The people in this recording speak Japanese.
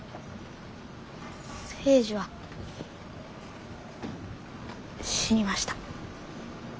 誠司は死にました。